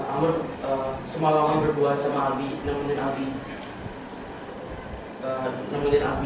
amr semalangnya berdua sama abie nemenin abie